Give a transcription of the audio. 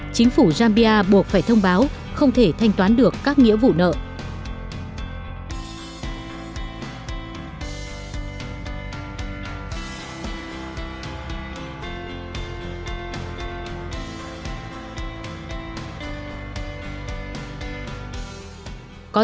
chính phủ zambia buộc phải thông báo không thể thanh toán được các nghĩa vụ nợ